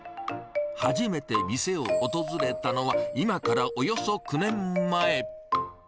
初めて店を訪れたのは、今からおよそ９年前。